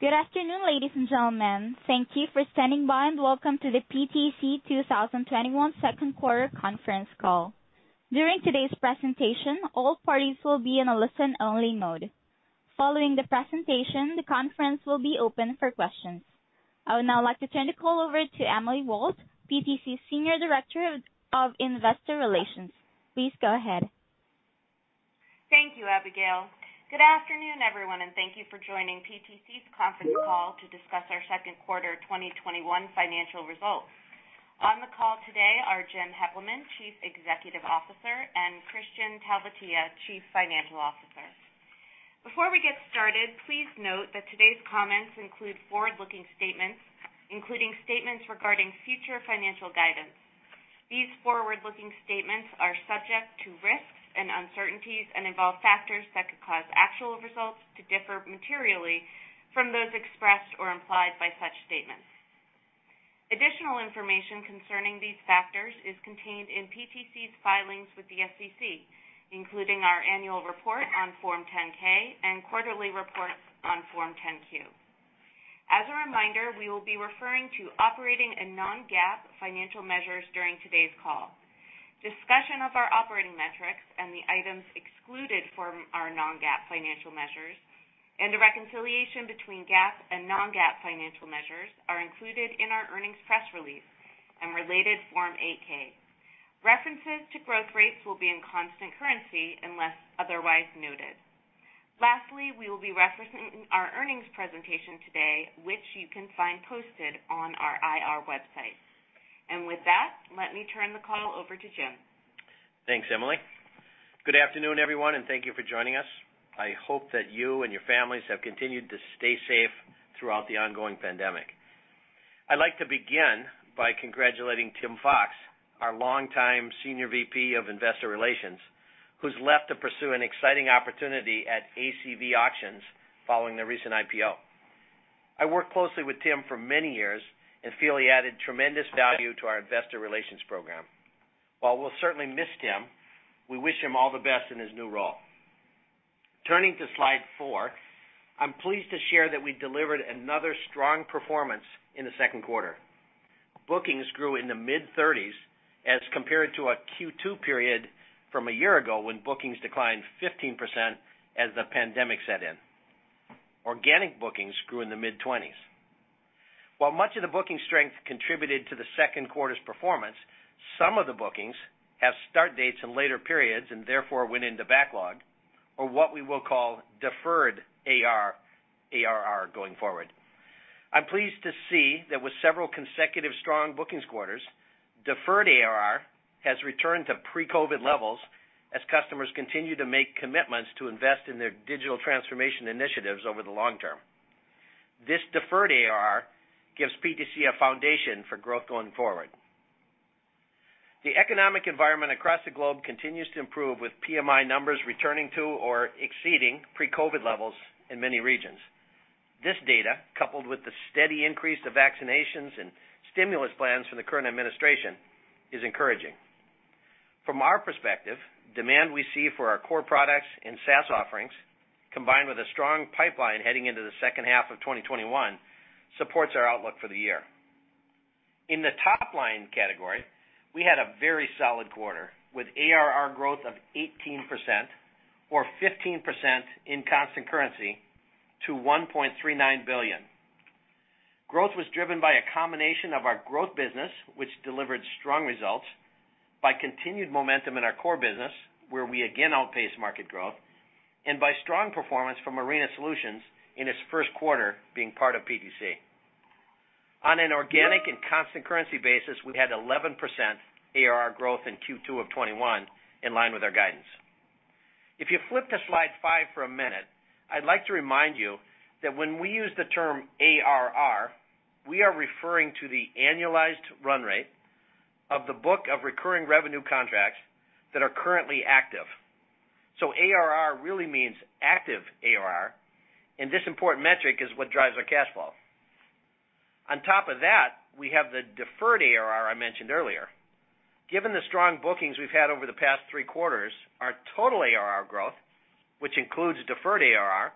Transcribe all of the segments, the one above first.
Good afternoon, ladies and gentlemen. Thank you for standing by and welcome to the PTC 2021 second quarter conference call. During today's presentation, all parties will be in a listen-only mode. Following the presentation, the conference will be open for questions. I would now like to turn the call over to Emily Walt, PTC Senior Director of Investor Relations. Please go ahead. Thank you, Abigail. Good afternoon, everyone, and thank you for joining PTC's conference call to discuss our second quarter 2021 financial results. On the call today are Jim Heppelmann, Chief Executive Officer, and Kristian Talvitie, Chief Financial Officer. Before we get started, please note that today's comments include forward-looking statements, including statements regarding future financial guidance. These forward-looking statements are subject to risks and uncertainties and involve factors that could cause actual results to differ materially from those expressed or implied by such statements. Additional information concerning these factors is contained in PTC's filings with the SEC, including our annual report on Form 10-K and quarterly reports on Form 10-Q. As a reminder, we will be referring to operating and non-GAAP financial measures during today's call. Discussion of our operating metrics and the items excluded from our non-GAAP financial measures, and a reconciliation between GAAP and non-GAAP financial measures are included in our earnings press release and related Form 8-K. References to growth rates will be in constant currency unless otherwise noted. Lastly, we will be referencing our earnings presentation today, which you can find posted on our IR website. With that, let me turn the call over to Jim. Thanks, Emily. Good afternoon, everyone, and thank you for joining us. I hope that you and your families have continued to stay safe throughout the ongoing pandemic. I'd like to begin by congratulating Tim Fox, our longtime Senior VP of Investor Relations, who's left to pursue an exciting opportunity at ACV Auctions following their recent IPO. I worked closely with Tim for many years and feel he added tremendous value to our investor relations program. While we'll certainly miss Tim, we wish him all the best in his new role. Turning to slide four, I'm pleased to share that we delivered another strong performance in the second quarter. Bookings grew in the mid-30s as compared to a Q2 period from a year ago when bookings declined 15% as the pandemic set in. Organic bookings grew in the mid-20s. While much of the booking strength contributed to the second quarter's performance, some of the bookings have start dates in later periods and therefore went into backlog, or what we will call deferred ARR going forward. I'm pleased to see that with several consecutive strong bookings quarters, deferred ARR has returned to pre-COVID levels as customers continue to make commitments to invest in their digital transformation initiatives over the long term. This deferred ARR gives PTC a foundation for growth going forward. The economic environment across the globe continues to improve with PMI numbers returning to or exceeding pre-COVID levels in many regions. This data, coupled with the steady increase of vaccinations and stimulus plans from the current administration, is encouraging. From our perspective, demand we see for our core products and SaaS offerings, combined with a strong pipeline heading into the second half of 2021, supports our outlook for the year. In the top-line category, we had a very solid quarter, with ARR growth of 18%, or 15% in constant currency to $1.39 billion. Growth was driven by a combination of our growth business, which delivered strong results, by continued momentum in our core business, where we again outpaced market growth, by strong performance from Arena Solutions in its first quarter being part of PTC. On an organic and constant currency basis, we had 11% ARR growth in Q2 of 2021, in line with our guidance. If you flip to slide five for a minute, I'd like to remind you that when we use the term ARR, we are referring to the annualized run rate of the book of recurring revenue contracts that are currently active. ARR really means active ARR, and this important metric is what drives our cash flow. On top of that, we have the deferred ARR I mentioned earlier. Given the strong bookings we've had over the past three quarters, our total ARR growth, which includes deferred ARR,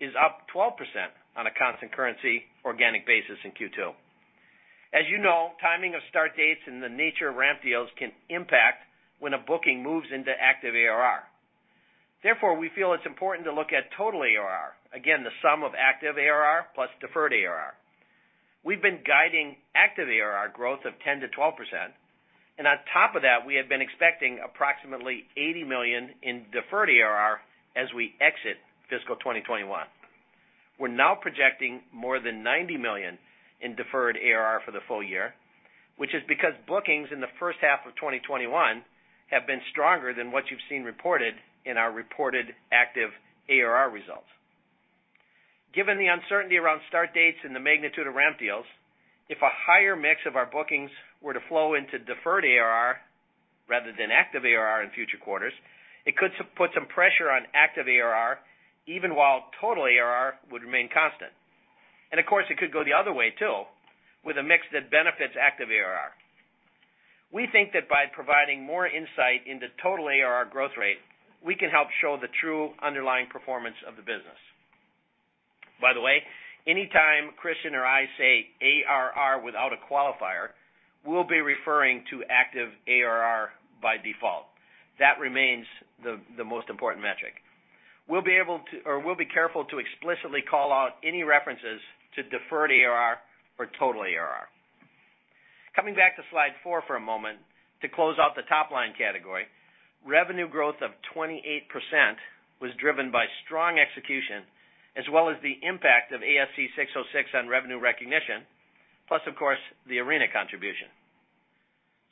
is up 12% on a constant currency organic basis in Q2. As you know, timing of start dates and the nature of ramp deals can impact when a booking moves into active ARR. Therefore, we feel it's important to look at total ARR. Again, the sum of active ARR plus deferred ARR. We've been guiding active ARR growth of 10%-12%, and on top of that, we have been expecting approximately $80 million in deferred ARR as we exit fiscal 2021. We're now projecting more than $90 million in deferred ARR for the full year, which is because bookings in the first half of 2021 have been stronger than what you've seen reported in our reported active ARR results. Given the uncertainty around start dates and the magnitude of ramp deals, if a higher mix of our bookings were to flow into deferred ARR rather than active ARR in future quarters, it could put some pressure on active ARR, even while total ARR would remain constant. Of course, it could go the other way too, with a mix that benefits active ARR. We think that by providing more insight into total ARR growth rate, we can help show the true underlying performance of the business. By the way, anytime Kristian or I say ARR without a qualifier, we'll be referring to active ARR by default. That remains the most important metric. We'll be careful to explicitly call out any references to deferred ARR or total ARR. Coming back to slide four for a moment, to close out the top-line category, revenue growth of 28% was driven by strong execution as well as the impact of ASC 606 on revenue recognition, plus of course, the Arena contribution.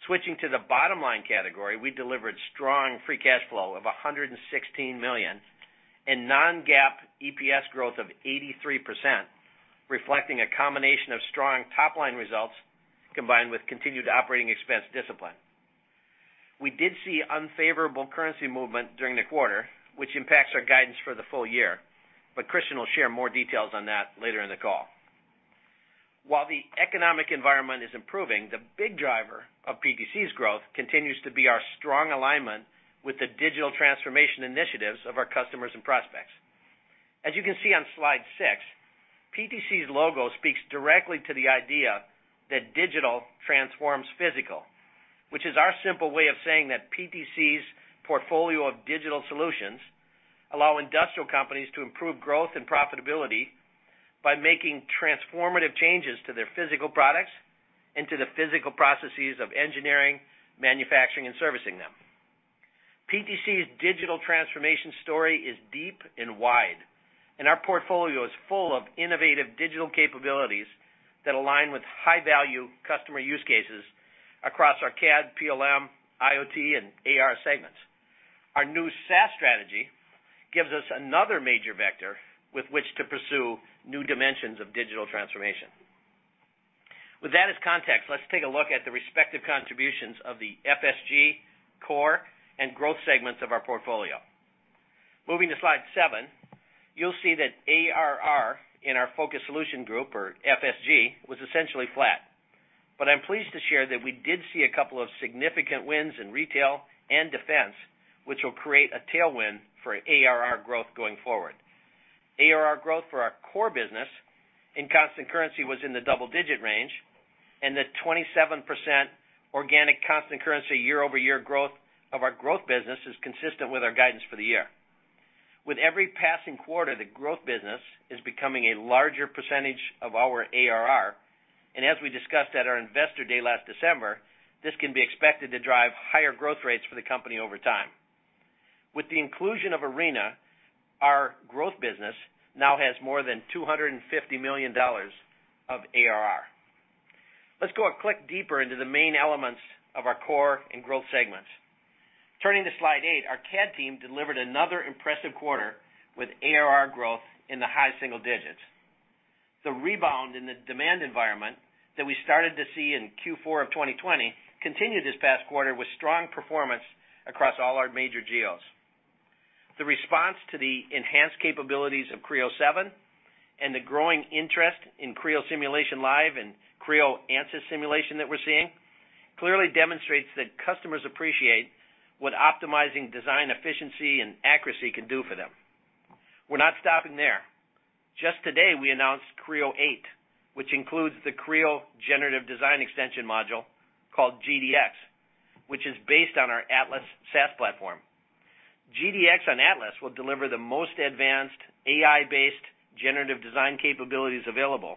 Switching to the bottom-line category, we delivered strong free cash flow of $116 million and non-GAAP EPS growth of 83%, reflecting a combination of strong top-line results combined with continued operating expense discipline. We did see unfavorable currency movement during the quarter, which impacts our guidance for the full year. Kristian will share more details on that later in the call. While the economic environment is improving, the big driver of PTC's growth continues to be our strong alignment with the digital transformation initiatives of our customers and prospects. As you can see on slide six, PTC's logo speaks directly to the idea that digital transforms physical, which is our simple way of saying that PTC's portfolio of digital solutions allow industrial companies to improve growth and profitability by making transformative changes to their physical products and to the physical processes of engineering, manufacturing, and servicing them. PTC's digital transformation story is deep and wide, and our portfolio is full of innovative digital capabilities that align with high-value customer use cases across our CAD, PLM, IoT, and AR segments. Our new SaaS strategy gives us another major vector with which to pursue new dimensions of digital transformation. With that as context, let's take a look at the respective contributions of the FSG, core, and growth segments of our portfolio. Moving to slide seven, you'll see that ARR in our Focused Solutions Group, or FSG, was essentially flat. But I'm pleased to share that we did see a couple of significant wins in retail and defense, which will create a tailwind for ARR growth going forward. ARR growth for our core business in constant currency was in the double-digit range, and the 27% organic constant currency year-over-year growth of our growth business is consistent with our guidance for the year. With every passing quarter, the growth business is becoming a larger percentage of our ARR, and as we discussed at our investor day last December, this can be expected to drive higher growth rates for the company over time. With the inclusion of Arena, our growth business now has more than $250 million of ARR. Let's go a click deeper into the main elements of our core and growth segments. Turning to slide eight, our CAD team delivered another impressive quarter with ARR growth in the high single digits. The rebound in the demand environment that we started to see in Q4 of 2020 continued this past quarter with strong performance across all our major geos. The response to the enhanced capabilities of Creo 7 and the growing interest in Creo Simulation Live and Creo Ansys Simulation that we're seeing clearly demonstrates that customers appreciate what optimizing design efficiency and accuracy can do for them. We're not stopping there. Just today, we announced Creo 8, which includes the Creo Generative Design Extension module, called GDX, which is based on our Atlas SaaS platform. GDX on Atlas will deliver the most advanced AI-based generative design capabilities available,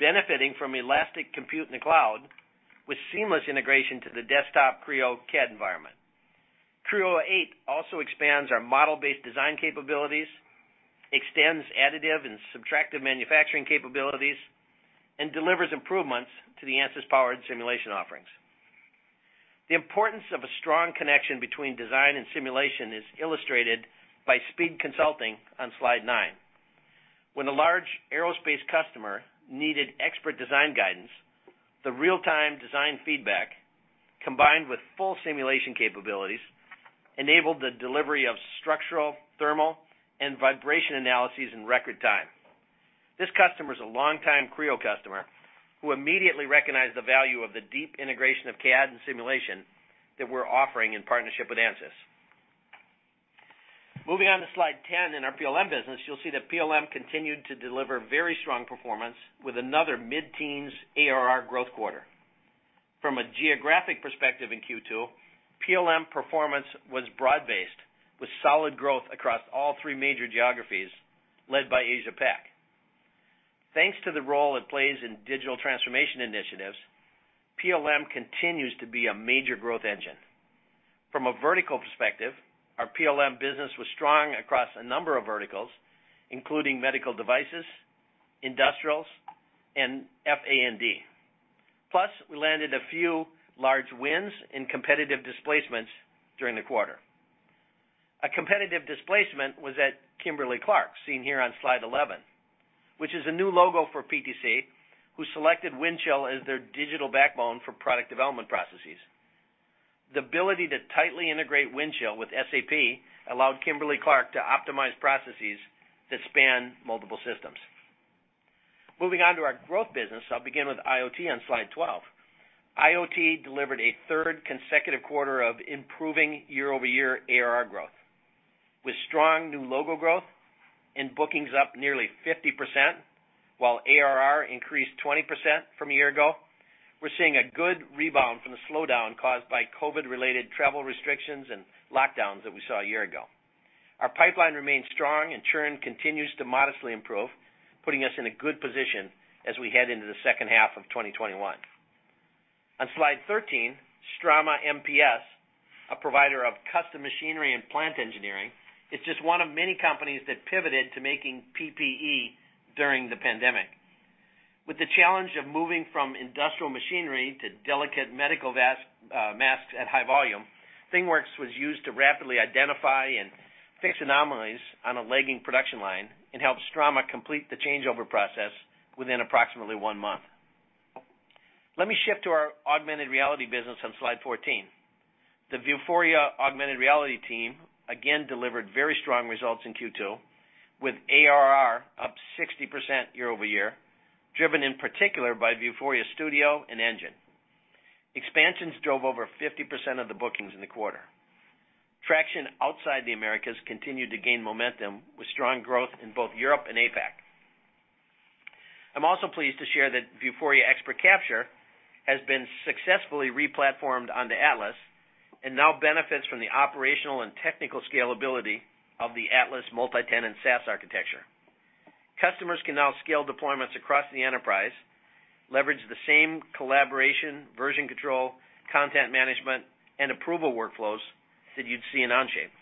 benefiting from elastic compute in the cloud with seamless integration to the desktop Creo CAD environment. Creo 8 also expands our model-based design capabilities, extends additive and subtractive manufacturing capabilities, and delivers improvements to the Ansys-powered simulation offerings. The importance of a strong connection between design and simulation is illustrated by Speed Consulting on Slide nine. When a large aerospace customer needed expert design guidance, the real-time design feedback, combined with full simulation capabilities, enabled the delivery of structural, thermal, and vibration analyses in record time. This customer is a longtime Creo customer who immediately recognized the value of the deep integration of CAD and simulation that we're offering in partnership with Ansys. Moving on to slide 10 in our PLM business, you'll see that PLM continued to deliver very strong performance with another mid-teens ARR growth quarter. From a geographic perspective in Q2, PLM performance was broad-based with solid growth across all three major geographies, led by Asia-Pac. Thanks to the role it plays in digital transformation initiatives, PLM continues to be a major growth engine. From a vertical perspective, our PLM business was strong across a number of verticals, including medical devices, industrials, and A&D. We landed a few large wins in competitive displacements during the quarter. A competitive displacement was at Kimberly-Clark, seen here on slide 11, which is a new logo for PTC, who selected Windchill as their digital backbone for product development processes. The ability to tightly integrate Windchill with SAP allowed Kimberly-Clark to optimize processes that span multiple systems. Moving on to our growth business. I'll begin with IoT on slide 12. IoT delivered a third consecutive quarter of improving year-over-year ARR growth. Strong new logo growth and bookings up nearly 50%, while ARR increased 20% from a year ago, we're seeing a good rebound from the slowdown caused by COVID-related travel restrictions and lockdowns that we saw a year ago. Our pipeline remains strong and churn continues to modestly improve, putting us in a good position as we head into the second half of 2021. On slide 13, Strama-MPS, a provider of custom machinery and plant engineering, is just one of many companies that pivoted to making PPE during the pandemic. With the challenge of moving from industrial machinery to delicate medical masks at high volume, ThingWorx was used to rapidly identify and fix anomalies on a lagging production line, and helped Strama-MPS complete the changeover process within approximately one month. Let me shift to our augmented reality business on slide 14. The Vuforia augmented reality team, again, delivered very strong results in Q2, with ARR up 60% year-over-year, driven in particular by Vuforia Studio and Engine. Expansions drove over 50% of the bookings in the quarter. Traction outside the Americas continued to gain momentum with strong growth in both Europe and APAC. I'm also pleased to share that Vuforia Expert Capture has been successfully re-platformed onto Atlas, and now benefits from the operational and technical scalability of the Atlas multi-tenant SaaS architecture. Customers can now scale deployments across the enterprise, leverage the same collaboration, version control, content management, and approval workflows that you'd see in Onshape.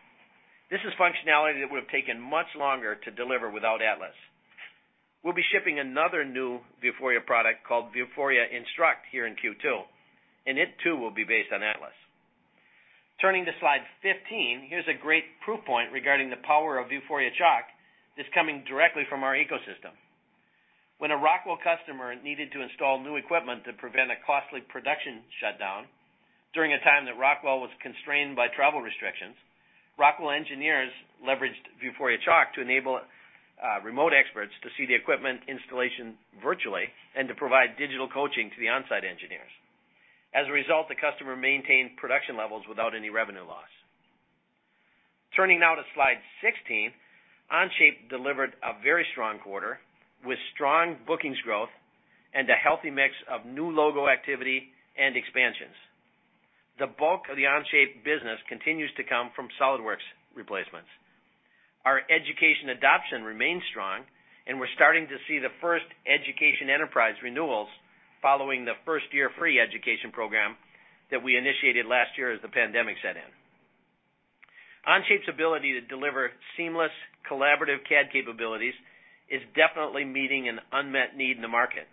This is functionality that would have taken much longer to deliver without Atlas. We'll be shipping another new Vuforia product called Vuforia Instruct here in Q2, and it too will be based on Atlas. Turning to slide 15, here's a great proof point regarding the power of Vuforia Chalk that's coming directly from our ecosystem. When a Rockwell customer needed to install new equipment to prevent a costly production shutdown during a time that Rockwell was constrained by travel restrictions, Rockwell engineers leveraged Vuforia Chalk to enable remote experts to see the equipment installation virtually and to provide digital coaching to the on-site engineers. As a result, the customer maintained production levels without any revenue loss. Turning now to slide 16, Onshape delivered a very strong quarter with strong bookings growth and a healthy mix of new logo activity and expansions. The bulk of the Onshape business continues to come from SOLIDWORKS replacements. Our education adoption remains strong, and we're starting to see the first education enterprise renewals following the first-year free education program that we initiated last year as the pandemic set in. Onshape's ability to deliver seamless collaborative CAD capabilities is definitely meeting an unmet need in the market.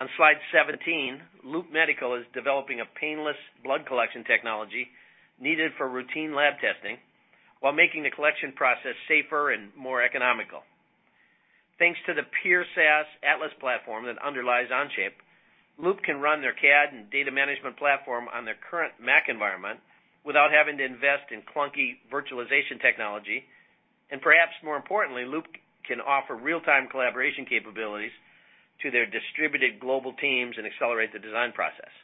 On slide 17, Loop Medical is developing a painless blood collection technology needed for routine lab testing while making the collection process safer and more economical. Thanks to the pure SaaS Atlas platform that underlies Onshape, Loop can run their CAD and data management platform on their current Mac environment without having to invest in clunky virtualization technology. Perhaps more importantly, Loop can offer real-time collaboration capabilities to their distributed global teams and accelerate the design process.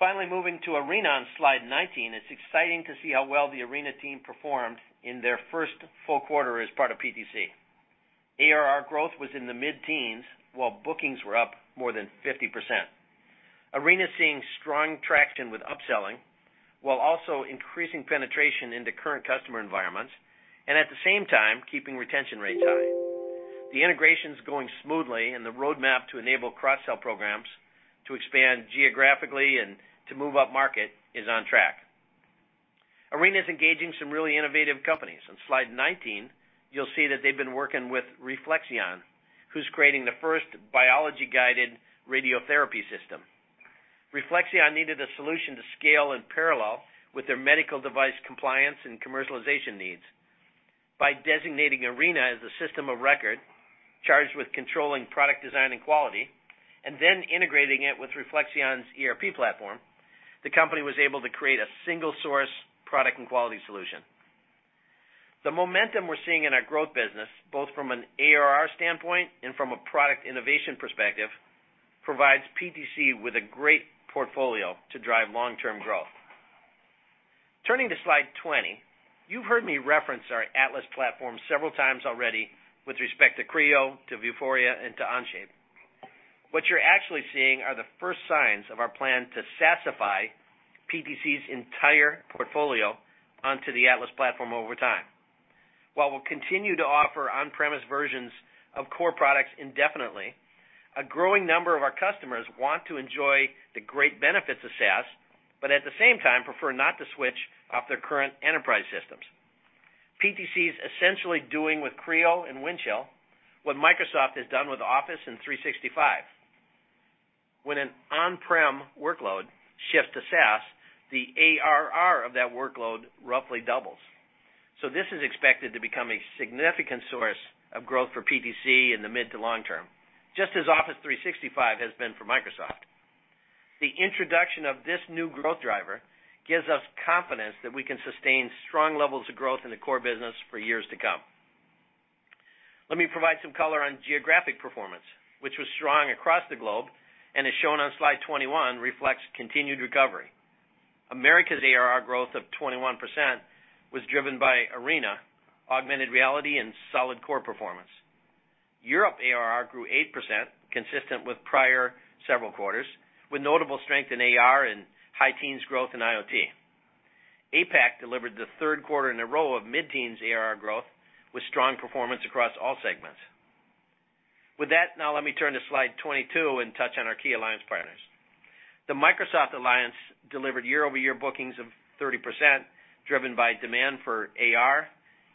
Finally, moving to Arena on slide 19. It's exciting to see how well the Arena team performed in their first full quarter as part of PTC. ARR growth was in the mid-teens, while bookings were up more than 50%. Arena's seeing strong traction with upselling while also increasing penetration into current customer environments, and at the same time, keeping retention rates high. The integration's going smoothly and the roadmap to enable cross-sell programs to expand geographically and to move upmarket is on track. Arena's engaging some really innovative companies. On slide 19, you'll see that they've been working with RefleXion, who's creating the first biology-guided radiotherapy system. RefleXion needed a solution to scale in parallel with their medical device compliance and commercialization needs. By designating Arena as a system of record, charged with controlling product design and quality, and then integrating it with RefleXion's ERP platform, the company was able to create a single-source product and quality solution. The momentum we're seeing in our growth business, both from an ARR standpoint and from a product innovation perspective, provides PTC with a great portfolio to drive long-term growth. Turning to slide 20. You've heard me reference our Atlas platform several times already with respect to Creo, to Vuforia, and to Onshape. What you're actually seeing are the first signs of our plan to SaaSify PTC's entire portfolio onto the Atlas platform over time. While we'll continue to offer on-premise versions of core products indefinitely, a growing number of our customers want to enjoy the great benefits of SaaS, but at the same time, prefer not to switch off their current enterprise systems. PTC's essentially doing with Creo and Windchill what Microsoft has done with Office 365. When an on-prem workload shifts to SaaS, the ARR of that workload roughly doubles. This is expected to become a significant source of growth for PTC in the mid to long term, just as Office 365 has been for Microsoft. The introduction of this new growth driver gives us confidence that we can sustain strong levels of growth in the core business for years to come. Let me provide some color on geographic performance, which was strong across the globe, and as shown on slide 21, reflects continued recovery. Americas ARR growth of 21% was driven by Arena, augmented reality and solid core performance. Europe ARR grew 8%, consistent with prior several quarters, with notable strength in AR and high teens growth in IoT. APAC delivered the third quarter in a row of mid-teens ARR growth, with strong performance across all segments. With that, now let me turn to slide 22 and touch on our key alliance partners. The Microsoft alliance delivered year-over-year bookings of 30%, driven by demand for AR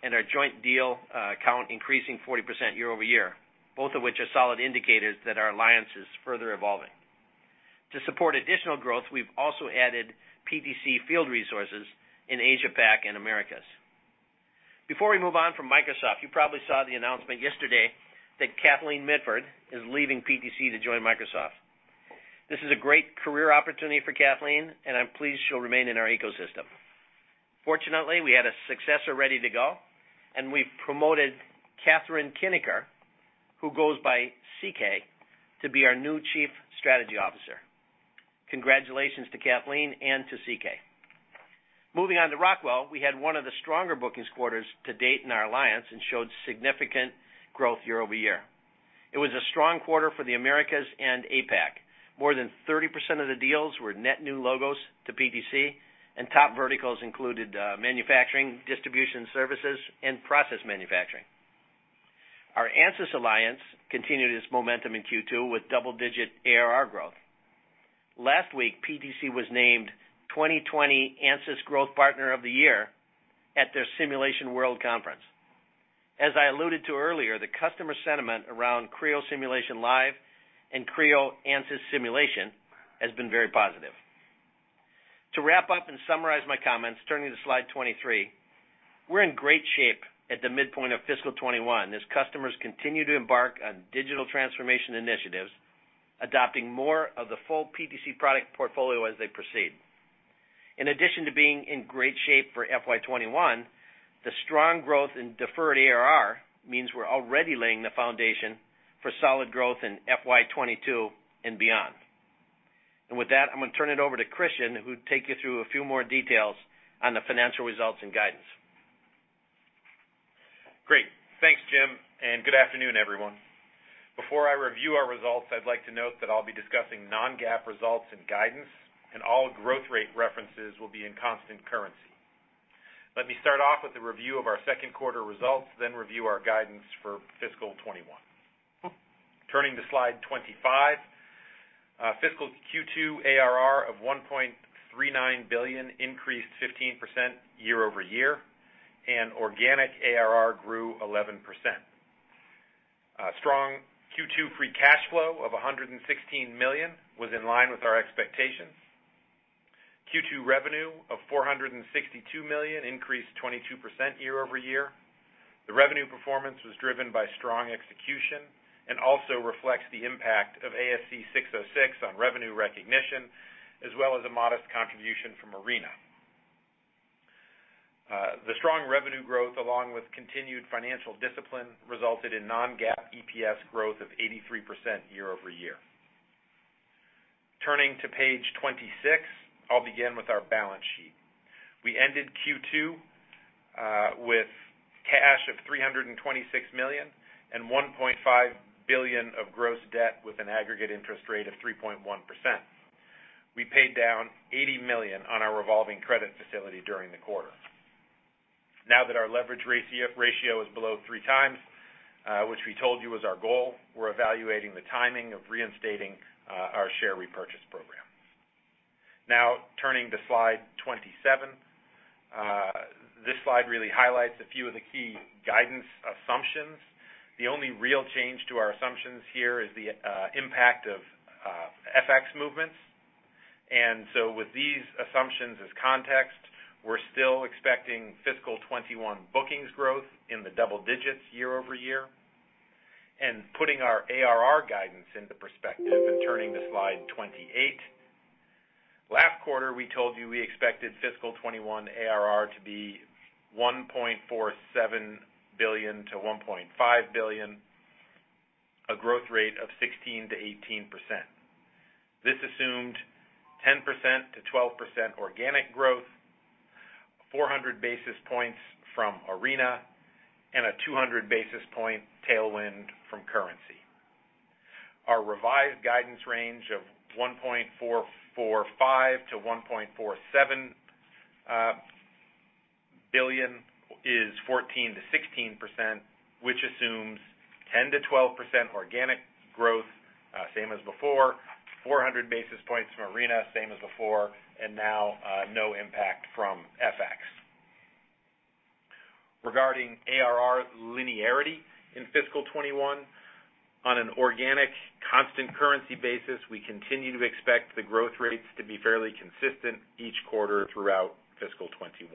and our joint deal count increasing 40% year-over-year, both of which are solid indicators that our alliance is further evolving. To support additional growth, we've also added PTC field resources in APAC and Americas. Before we move on from Microsoft, you probably saw the announcement yesterday that Kathleen Mitford is leaving PTC to join Microsoft. This is a great career opportunity for Kathleen, and I'm pleased she'll remain in our ecosystem. Fortunately, we had a successor ready to go, and we've promoted Catherine Kniker, who goes by CK, to be our new Chief Strategy Officer. Congratulations to Kathleen and to CK. Moving on to Rockwell, we had one of the stronger bookings quarters to date in our alliance and showed significant growth year-over-year. It was a strong quarter for the Americas and APAC. More than 30% of the deals were net new logos to PTC, and top verticals included manufacturing, distribution services, and process manufacturing. Our Ansys alliance continued its momentum in Q2 with double-digit ARR growth. Last week, PTC was named 2020 Ansys Growth Partner of the Year at their Simulation World Conference. As I alluded to earlier, the customer sentiment around Creo Simulation Live and Creo Ansys Simulation has been very positive. To wrap up and summarize my comments, turning to slide 23, we're in great shape at the midpoint of fiscal 2021 as customers continue to embark on digital transformation initiatives, adopting more of the full PTC product portfolio as they proceed. In addition to being in great shape for FY 2021, the strong growth in deferred ARR means we're already laying the foundation for solid growth in FY 2022 and beyond. With that, I'm going to turn it over to Kristian, who'll take you through a few more details on the financial results and guidance. Great. Thanks, Jim, and good afternoon, everyone. Before I review our results, I'd like to note that I'll be discussing non-GAAP results and guidance, and all growth rate references will be in constant currency. Let me start off with a review of our second quarter results, then review our guidance for fiscal 2021. Turning to slide 25. Fiscal Q2 ARR of $1.39 billion increased 15% year-over-year, and organic ARR grew 11%. Strong Q2 free cash flow of $116 million was in line with our expectations. Q2 revenue of $462 million increased 22% year-over-year. The revenue performance was driven by strong execution and also reflects the impact of ASC 606 on revenue recognition, as well as a modest contribution from Arena. The strong revenue growth, along with continued financial discipline, resulted in non-GAAP EPS growth of 83% year-over-year. Turning to page 26, I'll begin with our balance sheet. We ended Q2 with cash of $326 million and $1.5 billion of gross debt with an aggregate interest rate of 3.1%. We paid down $80 million on our revolving credit facility during the quarter. That our leverage ratio is below three times, which we told you was our goal, we're evaluating the timing of reinstating our share repurchase program. Turning to slide 27. This slide really highlights a few of the key guidance assumptions. The only real change to our assumptions here is the impact of FX movements. With these assumptions as context, we're still expecting fiscal 2021 bookings growth in the double digits year-over-year. Putting our ARR guidance into perspective and turning to slide 28. Last quarter, we told you we expected fiscal 2021 ARR to be $1.47 billion-$1.5 billion, a growth rate of 16%-18%. This assumed 10%-12% organic growth, 400 basis points from Arena, and a 200 basis point tailwind from currency. Our revised guidance range of $1.445 billion-$1.47 billion is 14%-16%, which assumes 10%-12% organic growth, same as before, 400 basis points from Arena, same as before, and now no impact from FX. Regarding ARR linearity in fiscal 2021, on an organic constant currency basis, we continue to expect the growth rates to be fairly consistent each quarter throughout fiscal 2021.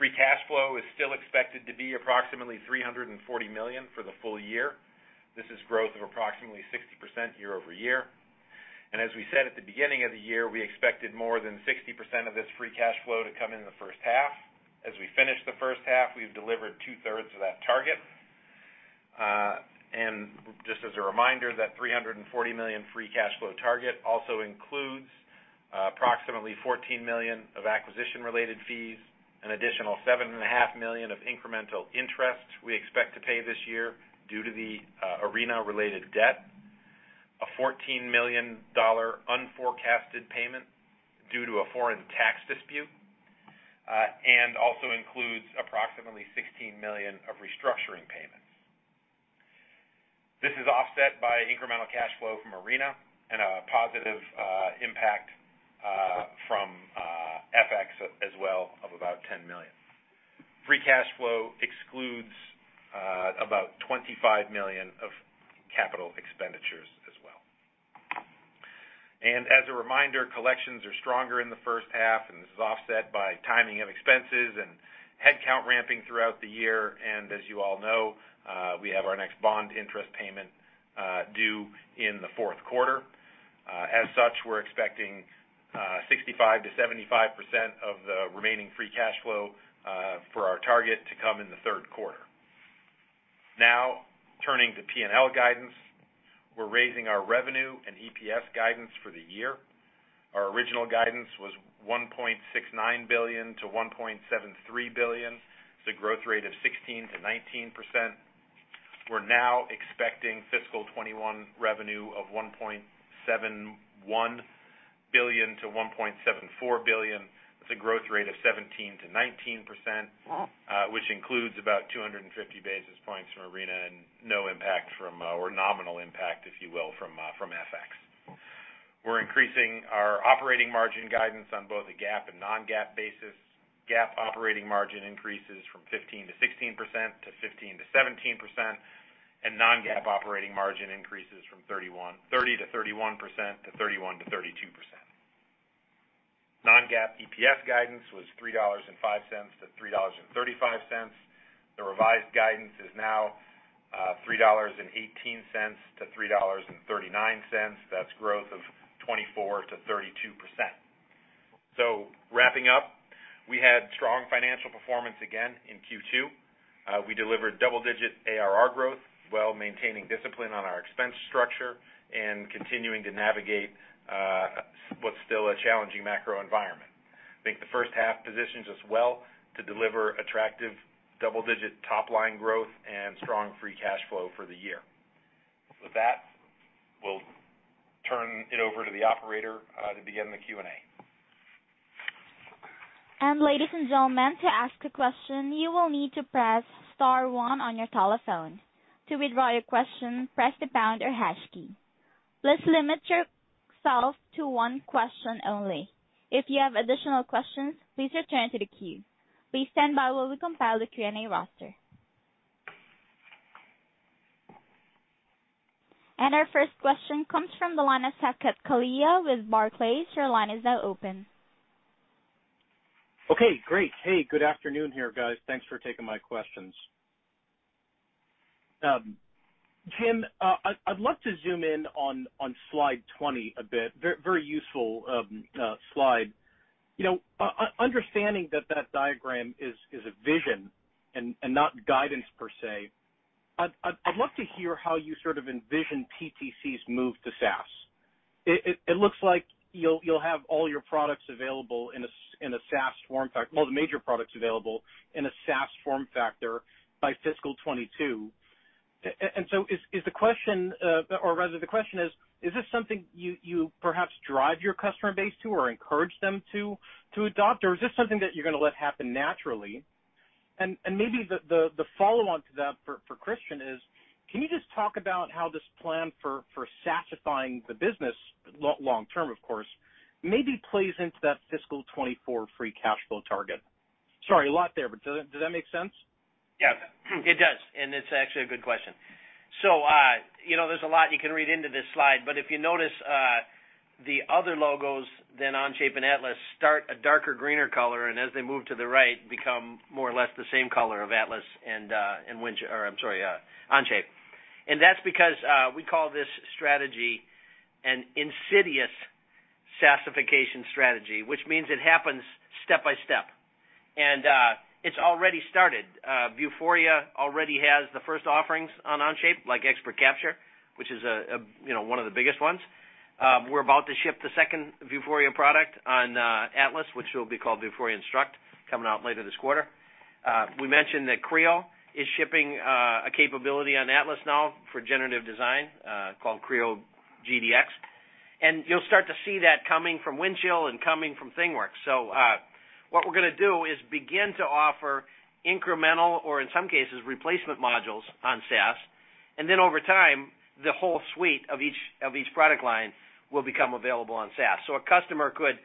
Free cash flow is still expected to be approximately $340 million for the full year. This is growth of approximately 60% year-over-year. As we said at the beginning of the year, we expected more than 60% of this free cash flow to come in the first half. As we finish the first half, we've delivered two-thirds of that target. Just as a reminder, that $340 million free cash flow target also includes approximately $14 million of acquisition-related fees, an additional $seven and a half million of incremental interest we expect to pay this year due to the Arena-related debt, a $14 million unforecasted payment due to a foreign tax dispute, and also includes approximately $16 million of restructuring payments. This is offset by incremental cash flow from Arena and a positive impact from FX as well of about $10 million. Free cash flow excludes about $25 million of capital expenditures as well. As a reminder, collections are stronger in the first half, and this is offset by timing of expenses and headcount ramping throughout the year. As you all know, we have our next bond interest payment due in the fourth quarter. As such, we're expecting 65%-75% of the remaining free cash flow for our target to come in the third quarter. Turning to P&L guidance. We're raising our revenue and EPS guidance for the year. Our original guidance was $1.69 billion-$1.73 billion. It's a growth rate of 16%-19%. We're now expecting fiscal 2021 revenue of $1.71 billion-$1.74 billion. That's a growth rate of 17%-19%, which includes about 250 basis points from Arena and no impact from or nominal impact, if you will, from FX. We're increasing our operating margin guidance on both a GAAP and non-GAAP basis. GAAP operating margin increases from 15%-16% to 15%-17%, and non-GAAP operating margin increases from 30%-31% to 31%-32%. Non-GAAP EPS guidance was $3.05-$3.35. The revised guidance is now $3.18-$3.39. That's growth of 24%-32%. Wrapping up, we had strong financial performance again in Q2. We delivered double-digit ARR growth while maintaining discipline on our expense structure and continuing to navigate what's still a challenging macro environment. I think the first half positions us well to deliver attractive double-digit top-line growth and strong free cash flow for the year. With that, we'll turn it over to the operator to begin the Q&A. Ladies and gentlemen, to ask a question, you will need to press star one on your telephone. To withdraw your question, press the pound or hash key. Let's limit yourself to one question only. If you have additional questions, please return to the queue. Please stand by while we compile the Q&A roster. Our first question comes from Saket Kalia with Barclays. Your line is now open. Okay, great. Hey, good afternoon here, guys. Thanks for taking my questions. Jim, I'd love to zoom in on slide 20 a bit. Very useful slide. Understanding that that diagram is a vision and not guidance per se, I'd love to hear how you sort of envision PTC's move to SaaS. It looks like you'll have, well, the major products available in a SaaS form factor by fiscal 2022. So the question is: Is this something you perhaps drive your customer base to or encourage them to adopt, or is this something that you're going to let happen naturally? Maybe the follow-on to that for Kristian is, can you just talk about how this plan for SaaS-ifying the business, long-term, of course, maybe plays into that fiscal 2024 free cash flow target? Sorry, a lot there, but does that make sense? Yeah. It does, and it's actually a good question. There's a lot you can read into this slide, but if you notice, the other logos, then Onshape and Atlas start a darker greener color, and as they move to the right, become more or less the same color of Onshape. That's because we call this strategy an insidious SaaSification strategy, which means it happens step by step. It's already started. Vuforia already has the first offerings on Onshape, like Expert Capture, which is one of the biggest ones. We're about to ship the second Vuforia product on Atlas, which will be called Vuforia Instruct, coming out later this quarter. We mentioned that Creo is shipping a capability on Atlas now for generative design, called Creo GDX. You'll start to see that coming from Windchill and coming from ThingWorx. What we're going to do is begin to offer incremental or in some cases, replacement modules on SaaS, and then over time, the whole suite of each product line will become available on SaaS. A customer could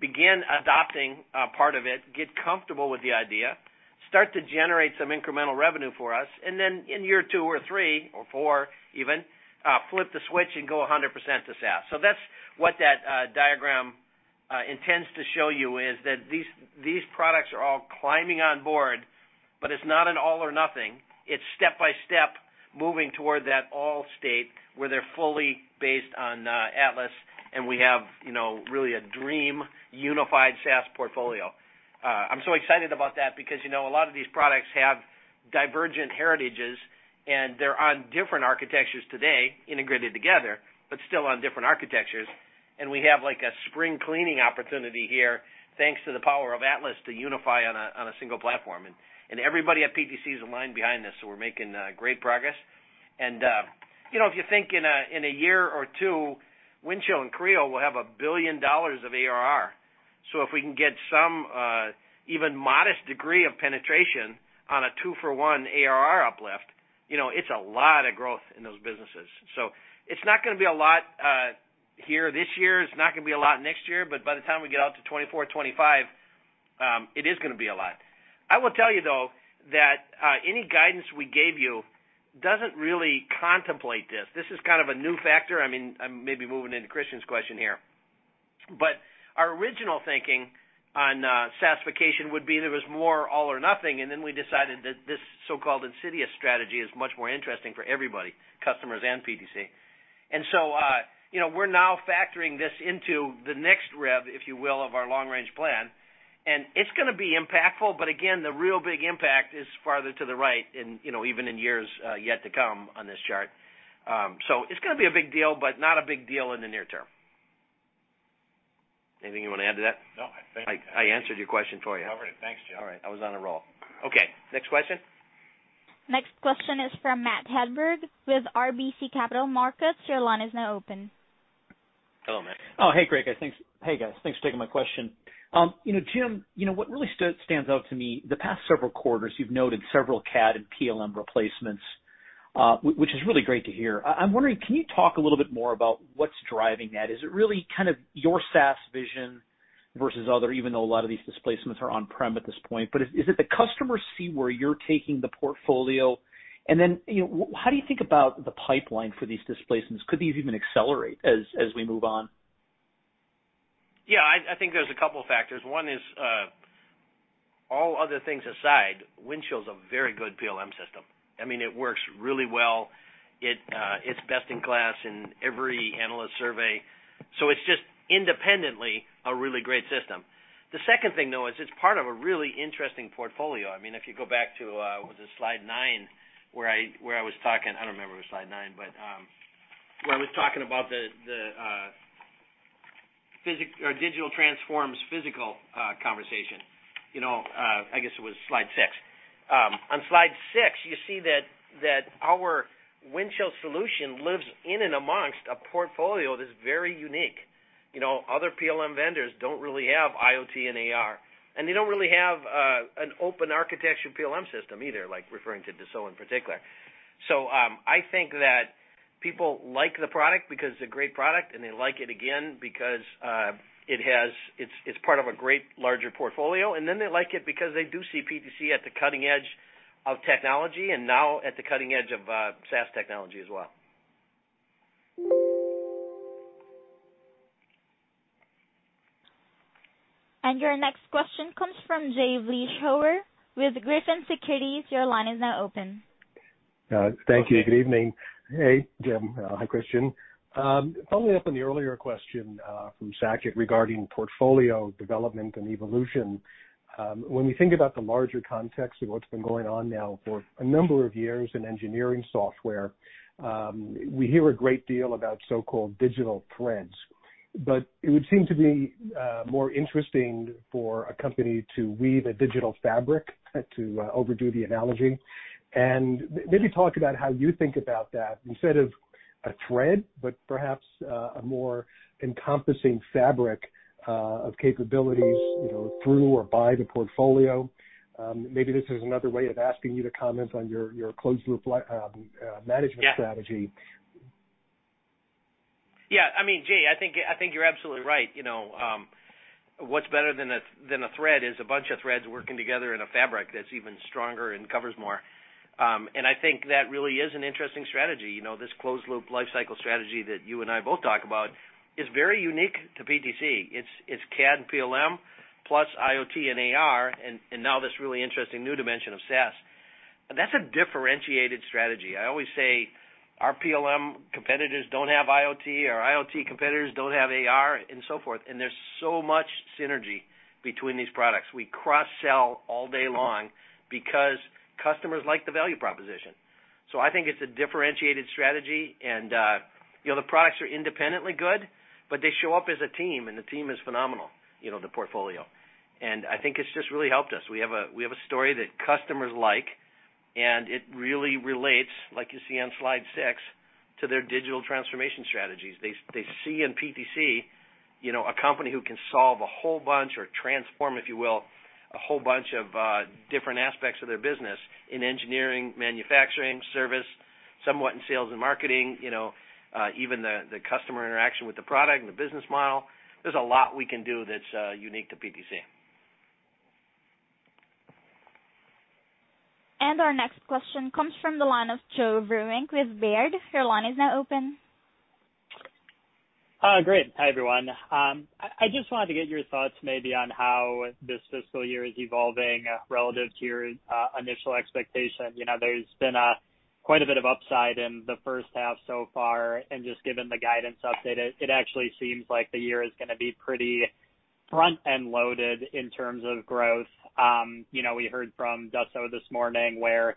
begin adopting a part of it, get comfortable with the idea Start to generate some incremental revenue for us. In year two or three or four even, flip the switch and go 100% to SaaS. That's what that diagram intends to show you, is that these products are all climbing on board, but it's not an all or nothing. It's step by step, moving toward that all state where they're fully based on Atlas, and we have really a dream unified SaaS portfolio. I'm so excited about that because a lot of these products have divergent heritages, and they're on different architectures today, integrated together, but still on different architectures. We have like a spring cleaning opportunity here, thanks to the power of Atlas to unify on a single platform. Everybody at PTC is aligned behind this. We're making great progress. If you think in a year or two, Windchill and Creo will have $1 billion of ARR. If we can get some even modest degree of penetration on a two-for-one ARR uplift, it's a lot of growth in those businesses. It's not going to be a lot here this year, it's not going to be a lot next year, but by the time we get out to 2024, 2025, it is going to be a lot. I will tell you, though, that any guidance we gave you doesn't really contemplate this. This is kind of a new factor. I'm maybe moving into Kristian's question here. Our original thinking on SaaSification would be there was more all or nothing, and then we decided that this so-called insidious strategy is much more interesting for everybody, customers and PTC. We're now factoring this into the next rev, if you will, of our long-range plan, and it's going to be impactful, but again, the real big impact is farther to the right and even in years yet to come on this chart. It's going to be a big deal, but not a big deal in the near term. Anything you want to add to that? No, I answered your question for you. All right. Thanks, Jim. All right. I was on a roll. Okay. Next question. Next question is from Matt Hedberg with RBC Capital Markets. Your line is now open. Hello, Matt. Oh, hey, great, guys. Thanks. Hey, guys. Thanks for taking my question. Jim, what really stands out to me, the past several quarters, you've noted several CAD and PLM replacements, which is really great to hear. I'm wondering, can you talk a little bit more about what's driving that? Is it really kind of your SaaS vision versus other, even though a lot of these displacements are on-prem at this point? Is it the customers see where you're taking the portfolio? How do you think about the pipeline for these displacements? Could these even accelerate as we move on? Yeah, I think there's a couple of factors. One is, all other things aside, Windchill is a very good PLM system. It works really well. It's best in class in every analyst survey. It's just independently a really great system. The second thing, though, is it's part of a really interesting portfolio. If you go back to, was it slide nine where I was talking I don't remember it was slide nine, but where I was talking about the digital transforms physical conversation. I guess it was slide six. On slide six, you see that our Windchill solution lives in and amongst a portfolio that's very unique. Other PLM vendors don't really have IoT and AR, and they don't really have an open architecture PLM system either, like referring to Dassault in particular. I think that people like the product because it's a great product, and they like it, again, because it's part of a great larger portfolio, and then they like it because they do see PTC at the cutting edge of technology, and now at the cutting edge of SaaS technology as well. Your next question comes from Jay Vleeschhouwer with Griffin Securities. Your line is now open. Thank you. Good evening. Hey, Jim. Hi, Kristian. Following up on the earlier question from Saket regarding portfolio development and evolution. When we think about the larger context of what's been going on now for a number of years in engineering software, we hear a great deal about so-called digital threads. It would seem to be more interesting for a company to weave a digital fabric, to overdo the analogy. Maybe talk about how you think about that, instead of a thread, but perhaps a more encompassing fabric of capabilities through or by the portfolio. Maybe this is another way of asking you to comment on your closed loop management strategy. Yeah. Jay, I think you're absolutely right. What's better than a thread is a bunch of threads working together in a fabric that's even stronger and covers more. I think that really is an interesting strategy. This closed loop life cycle strategy that you and I both talk about is very unique to PTC. It's CAD and PLM, plus IoT and AR, and now this really interesting new dimension of SaaS. That's a differentiated strategy. I always say our PLM competitors don't have IoT, our IoT competitors don't have AR, and so forth, and there's so much synergy between these products. We cross-sell all day long because customers like the value proposition. I think it's a differentiated strategy, and the products are independently good, but they show up as a team, and the team is phenomenal, the portfolio. I think it's just really helped us. We have a story that customers like. It really relates, like you see on slide six, to their digital transformation strategies. They see in PTC a company who can solve a whole bunch or transform, if you will, a whole bunch of different aspects of their business in engineering, manufacturing, service somewhat in sales and marketing, even the customer interaction with the product and the business model. There's a lot we can do that's unique to PTC. Our next question comes from the line of Joe Vruwink with Baird. Your line is now open. Great. Hi, everyone. I just wanted to get your thoughts maybe on how this fiscal year is evolving relative to your initial expectation. There's been quite a bit of upside in the first half so far, just given the guidance update, it actually seems like the year is going to be pretty front-end loaded in terms of growth. We heard from Dassault this morning where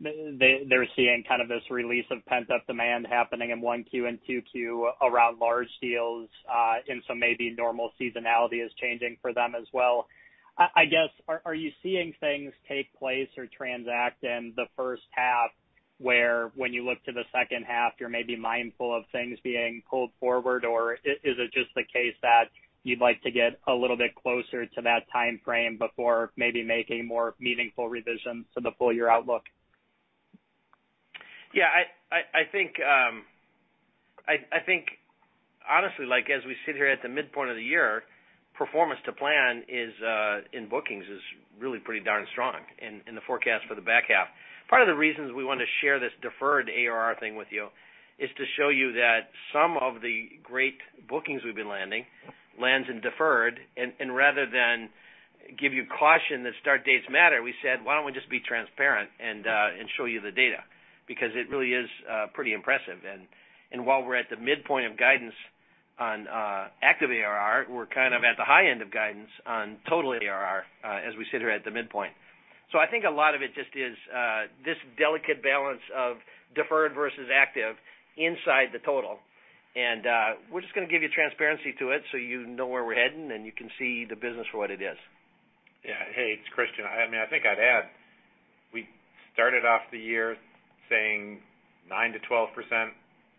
they're seeing kind of this release of pent-up demand happening in 1Q and 2Q around large deals, maybe normal seasonality is changing for them as well. I guess, are you seeing things take place or transact in the first half where when you look to the second half, you're maybe mindful of things being pulled forward? Is it just the case that you'd like to get a little bit closer to that timeframe before maybe making more meaningful revisions to the full year outlook? Yeah, I think honestly, as we sit here at the midpoint of the year, performance to plan in bookings is really pretty darn strong in the forecast for the back half. Part of the reasons we want to share this deferred ARR thing with you is to show you that some of the great bookings we've been landing, lands in deferred, and rather than give you caution that start dates matter, we said, "Why don't we just be transparent and show you the data?" Because it really is pretty impressive. While we're at the midpoint of guidance on active ARR, we're kind of at the high end of guidance on total ARR as we sit here at the midpoint. I think a lot of it just is this delicate balance of deferred versus active inside the total, and we're just going to give you transparency to it so you know where we're heading, and you can see the business for what it is. Hey, it's Kristian. I think I'd add, we started off the year saying 9%-12%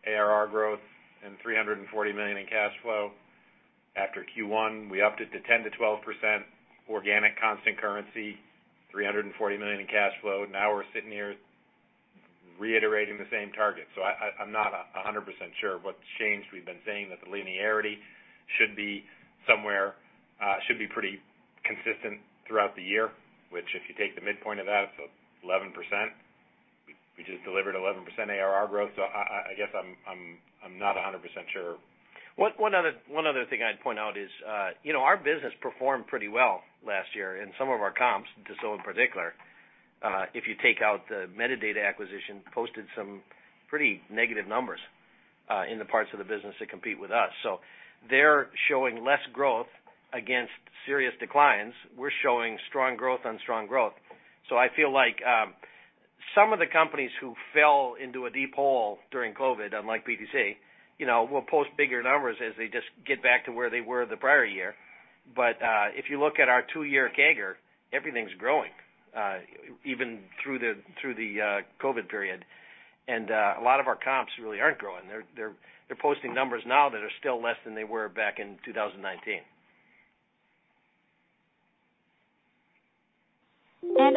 ARR growth and $340 million in cash flow. After Q1, we upped it to 10%-12% organic constant currency, $340 million in cash flow. We're sitting here reiterating the same target. I'm not 100% sure what's changed. We've been saying that the linearity should be pretty consistent throughout the year, which if you take the midpoint of that, it's 11%. We just delivered 11% ARR growth. I guess I'm not 100% sure. One other thing I'd point out is, our business performed pretty well last year, and some of our comps, Dassault in particular, if you take out the medidata acquisition, posted some pretty negative numbers in the parts of the business that compete with us. They're showing less growth against serious declines. We're showing strong growth on strong growth. I feel like some of the companies who fell into a deep hole during COVID, unlike PTC, will post bigger numbers as they just get back to where they were the prior year. If you look at our two-year CAGR, everything's growing, even through the COVID period. A lot of our comps really aren't growing. They're posting numbers now that are still less than they were back in 2019.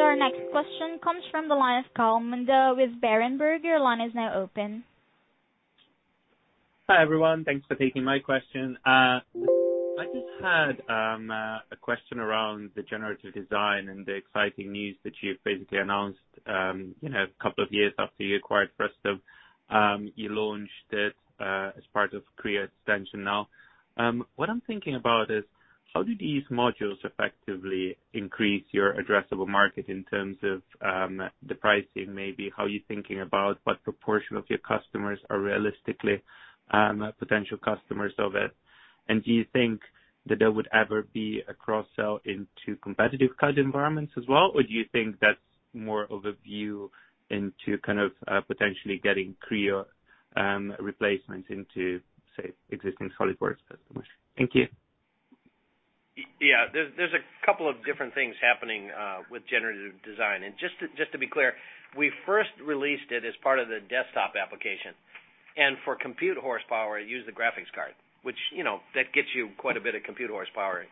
Our next question comes from the line of Gal Munda with Berenberg. Hi, everyone. Thanks for taking my question. I just had a question around the generative design and the exciting news that you've basically announced a couple of years after you acquired Frustum. You launched it as part of Creo Extension now. What I'm thinking about is, how do these modules effectively increase your addressable market in terms of the pricing? How you're thinking about what proportion of your customers are realistically potential customers of it. Do you think that there would ever be a cross-sell into competitive CAD environments as well? Do you think that's more of a view into kind of potentially getting Creo replacements into, say, existing SOLIDWORKS customers? Thank you. Yeah. There's a couple of different things happening with generative design. Just to be clear, we first released it as part of the desktop application, and for compute horsepower, it used the graphics card, which that gets you quite a bit of compute horsepower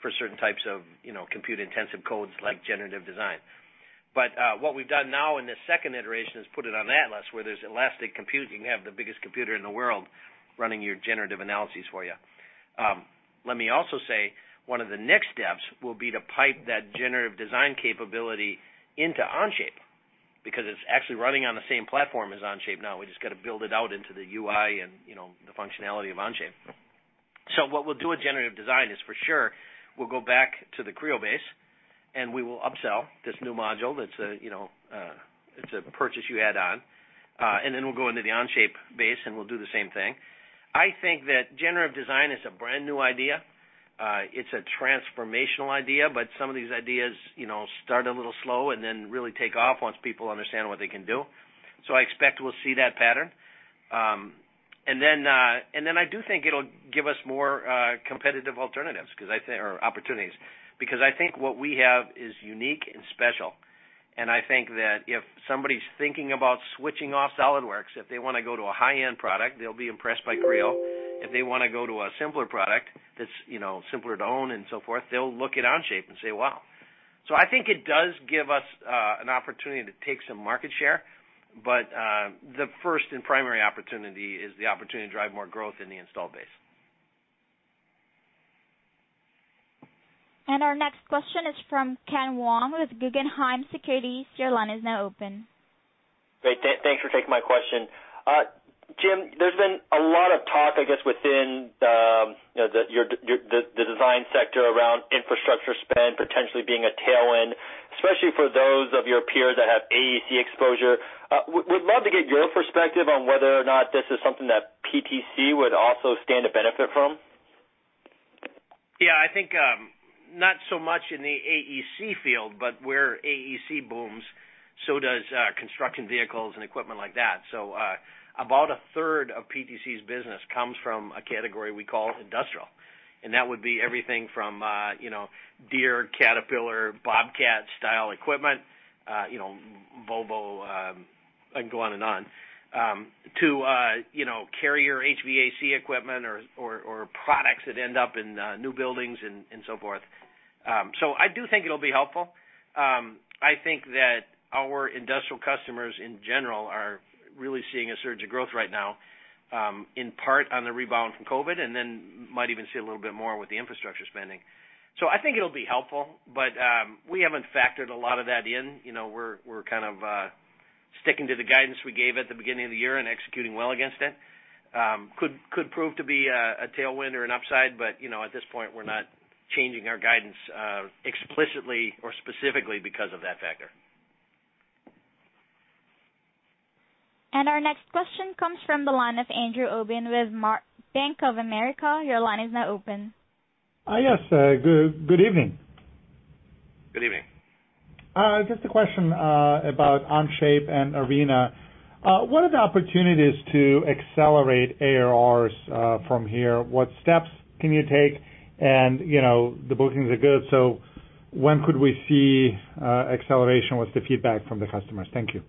for certain types of compute-intensive codes like generative design. What we've done now in this second iteration is put it on Atlas where there's elastic computing. We have the biggest computer in the world running your generative analyses for you. Let me also say, one of the next steps will be to pipe that generative design capability into Onshape, because it's actually running on the same platform as Onshape now. We just got to build it out into the UI and the functionality of Onshape. What we'll do with Generative Design is for sure we'll go back to the Creo base, and we will upsell this new module that's a purchase you add on. We'll go into the Onshape base, and we'll do the same thing. I think that Generative Design is a brand-new idea. It's a transformational idea, but some of these ideas start a little slow and then really take off once people understand what they can do. I expect we'll see that pattern. I do think it'll give us more competitive alternatives or opportunities, because I think what we have is unique and special, and I think that if somebody's thinking about switching off SOLIDWORKS, if they want to go to a high-end product, they'll be impressed by Creo. If they want to go to a simpler product that's simpler to own and so forth, they'll look at Onshape and say, "Wow." I think it does give us an opportunity to take some market share, but the first and primary opportunity is the opportunity to drive more growth in the installed base. Our next question is from Ken Wong with Guggenheim Securities. Your line is now open. Great. Thanks for taking my question. Jim, there's been a lot of talk, I guess, within the design sector around infrastructure spend potentially being a tailwind, especially for those of your peers that have AEC exposure. Would love to get your perspective on whether or not this is something that PTC would also stand to benefit from. Yeah, I think not so much in the AEC field, but where AEC booms, so does construction vehicles and equipment like that. About a third of PTC's business comes from a category we call industrial, and that would be everything from Deere, Caterpillar, Bobcat-style equipment, Volvo, I can go on and on, to Carrier HVAC equipment or products that end up in new buildings and so forth. I do think it'll be helpful. I think that our industrial customers in general are really seeing a surge of growth right now, in part on the rebound from COVID, and then might even see a little bit more with the infrastructure spending. I think it'll be helpful, but we haven't factored a lot of that in. We're kind of sticking to the guidance we gave at the beginning of the year and executing well against it. Could prove to be a tailwind or an upside, but at this point, we're not changing our guidance explicitly or specifically because of that factor. Our next question comes from the line of Andrew Obin with Bank of America. Yes, good evening. Good evening. Just a question about Onshape and Arena. What are the opportunities to accelerate ARRs from here? What steps can you take? The bookings are good, so when could we see acceleration? What's the feedback from the customers? Thank you.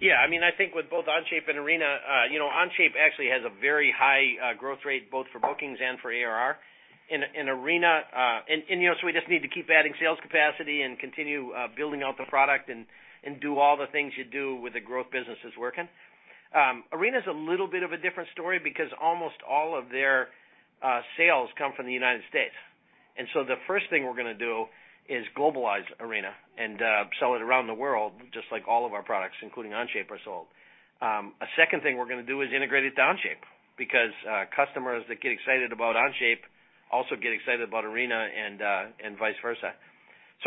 Yeah. I think with both Onshape and Arena, Onshape actually has a very high growth rate, both for bookings and for ARR. We just need to keep adding sales capacity and continue building out the product and do all the things you do with the growth businesses working. Arena's a little bit of a different story because almost all of their sales come from the U.S. The first thing we're going to do is globalize Arena and sell it around the world, just like all of our products, including Onshape, are sold. A second thing we're going to do is integrate it to Onshape, because customers that get excited about Onshape also get excited about Arena and vice versa.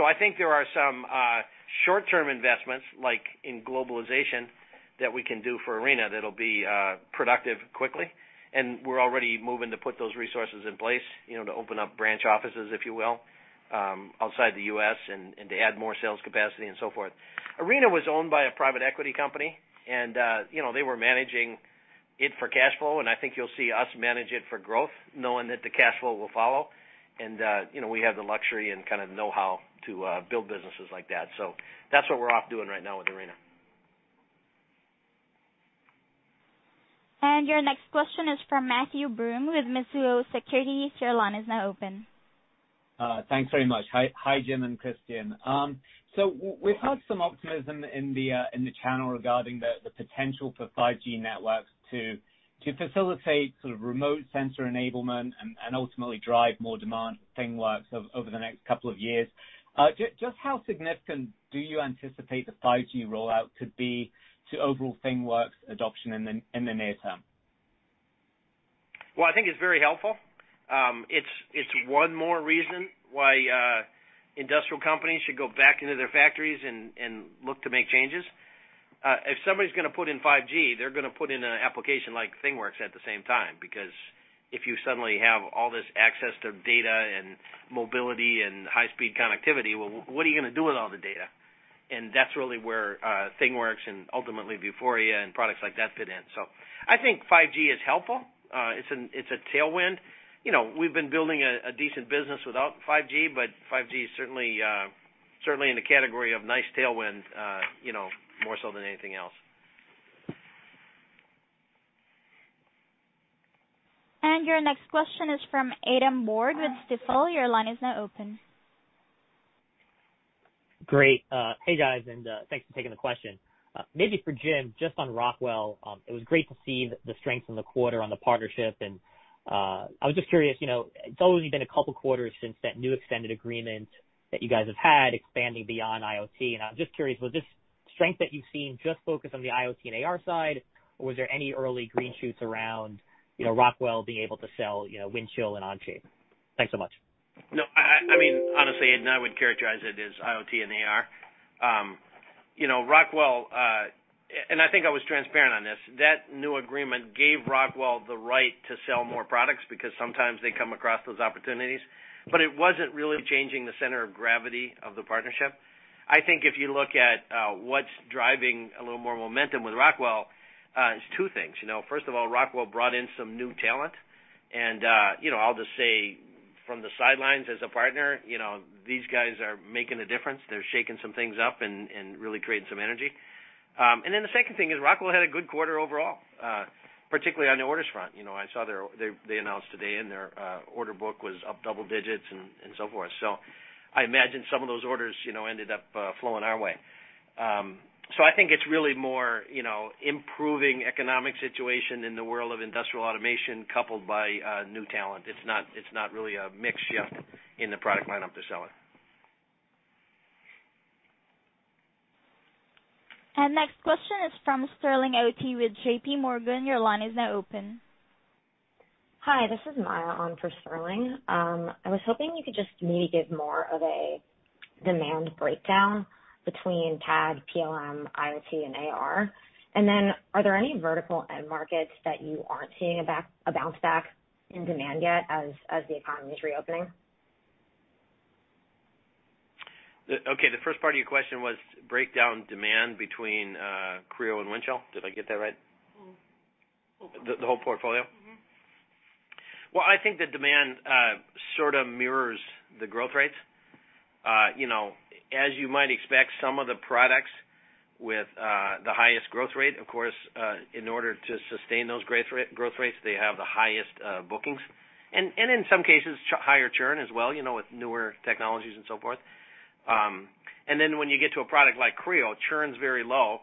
I think there are some short-term investments, like in globalization, that we can do for Arena that'll be productive quickly, and we're already moving to put those resources in place to open up branch offices, if you will, outside the U.S. and to add more sales capacity and so forth. Arena was owned by a private equity company, and they were managing it for cash flow, and I think you'll see us manage it for growth, knowing that the cash flow will follow. We have the luxury and kind of know-how to build businesses like that. That's what we're off doing right now with Arena. Your next question is from Matthew Broome with Mizuho Securities. Your line is now open. Thanks very much. Hi, Jim and Kristian. We've heard some optimism in the channel regarding the potential for 5G networks to facilitate sort of remote sensor enablement and ultimately drive more demand for ThingWorx over the next couple of years. Just how significant do you anticipate the 5G rollout could be to overall ThingWorx adoption in the near term? I think it's very helpful. It's one more reason why industrial companies should go back into their factories and look to make changes. If somebody's going to put in 5G, they're going to put in an application like ThingWorx at the same time, because if you suddenly have all this access to data and mobility and high-speed connectivity, well, what are you going to do with all the data? That's really where ThingWorx and ultimately Vuforia and products like that fit in. I think 5G is helpful. It's a tailwind. We've been building a decent business without 5G, but 5G is certainly in the category of nice tailwind more so than anything else. Your next question is from Adam Borg with Stifel. Your line is now open. Great. Hey, guys, thanks for taking the question. Maybe for Jim Heppelmann, just on Rockwell. It was great to see the strength in the quarter on the partnership. I was just curious, it's only been a couple quarters since that new extended agreement that you guys have had expanding beyond IoT. I am just curious, was this strength that you've seen just focused on the IoT and AR side, or was there any early green shoots around Rockwell being able to sell Windchill and Onshape? Thanks so much. No. Honestly, I wouldn't characterize it as IoT and AR. I think I was transparent on this, that new agreement gave Rockwell the right to sell more products because sometimes they come across those opportunities. It wasn't really changing the center of gravity of the partnership. I think if you look at what's driving a little more momentum with Rockwell, it's two things. First of all, Rockwell brought in some new talent. I'll just say from the sidelines as a partner, these guys are making a difference. They're shaking some things up and really creating some energy. The second thing is Rockwell had a good quarter overall, particularly on the orders front. I saw they announced today and their order book was up double digits and so forth. I imagine some of those orders ended up flowing our way. I think it's really more improving economic situation in the world of industrial automation coupled by new talent. It's not really a mix shift in the product lineup to sell it. Next question is from Sterling Auty with JP Morgan. Your line is now open. Hi, this is Maya on for Sterling Auty. I was hoping you could just maybe give more of a demand breakdown between CAD, PLM, IoT, and AR. Are there any vertical end markets that you aren't seeing a bounce-back in demand yet as the economy is reopening? Okay, the first part of your question was breakdown demand between Creo and Windchill. Did I get that right? The whole portfolio? Well, I think the demand sort of mirrors the growth rates. As you might expect, some of the products with the highest growth rate, of course, in order to sustain those growth rates, they have the highest bookings. In some cases, higher churn as well with newer technologies and so forth. When you get to a product like Creo, churn's very low,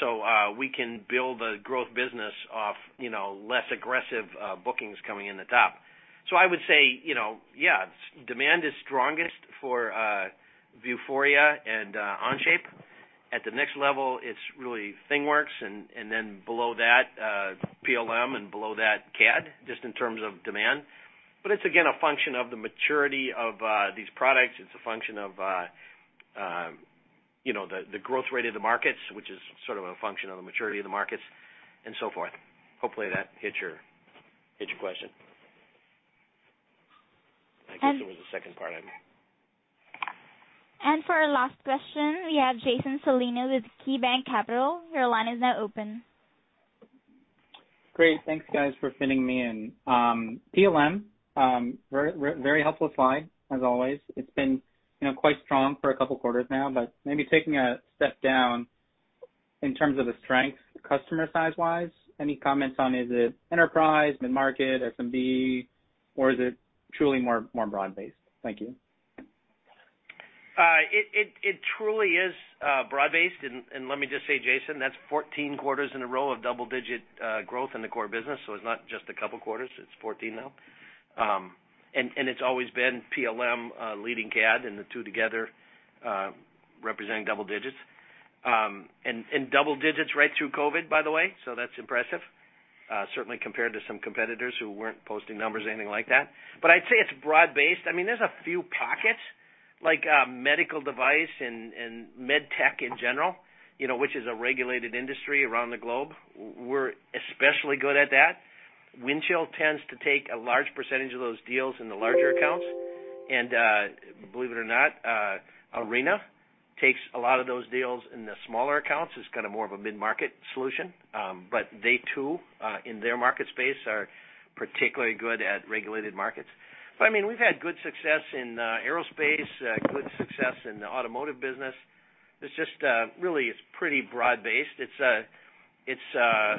so we can build a growth business off less aggressive bookings coming in the top. I would say, yes, demand is strongest for Vuforia and Onshape. At the next level, it's really ThingWorx, and then below that, PLM, and below that, CAD, just in terms of demand. It's again a function of the maturity of these products. It's a function of the growth rate of the markets, which is sort of a function of the maturity of the markets and so forth. Hopefully that hit your question? And- I guess there was a second part I missed. For our last question, we have Jason Celino with KeyBanc Capital Markets. Your line is now open. Great. Thanks, guys, for fitting me in. PLM, very helpful slide, as always. It's been quite strong for a couple quarters now, but maybe taking a step down in terms of the strength, customer size-wise, any comments on is it enterprise, mid-market, SMB, or is it truly more broad-based? Thank you. It truly is broad based. Let me just say, Jason, that's 14 quarters in a row of double-digit growth in the core business, so it's not just a couple quarters. It's 14 now. It's always been PLM leading CAD and the two together representing double digits. Double digits right through COVID, by the way, so that's impressive, certainly compared to some competitors who weren't posting numbers or anything like that. I'd say it's broad based. There's a few pockets, like medical device and med tech in general, which is a regulated industry around the globe. We're especially good at that. Windchill tends to take a large percentage of those deals in the larger accounts. Believe it or not, Arena takes a lot of those deals in the smaller accounts. It's kind of more of a mid-market solution. They too, in their market space, are particularly good at regulated markets. We've had good success in aerospace, good success in the automotive business. It's just really pretty broad-based. It's a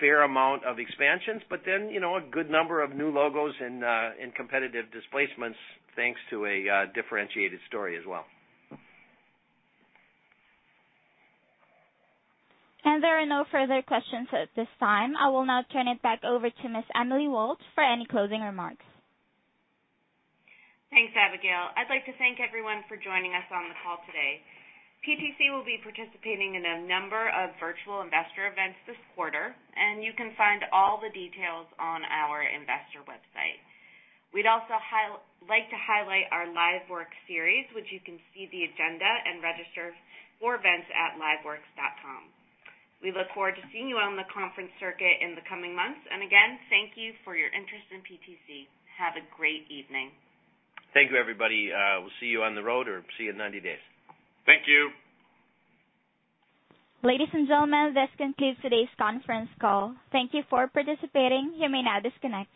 fair amount of expansions, a good number of new logos and competitive displacements, thanks to a differentiated story as well. There are no further questions at this time. I will now turn it back over to Ms. Emily Walt for any closing remarks. Thanks, Abigail. I'd like to thank everyone for joining us on the call today. PTC will be participating in a number of virtual investor events this quarter, and you can find all the details on our investor website. We'd also like to highlight our LiveWorx series, which you can see the agenda and register for events at liveworx.com. We look forward to seeing you on the conference circuit in the coming months. Again, thank you for your interest in PTC. Have a great evening. Thank you, everybody. We'll see you on the road, or see you in 90 days. Thank you. Ladies and gentlemen, this concludes today's conference call. Thank you for participating. You may now disconnect.